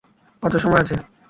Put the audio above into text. কত সময় আছে?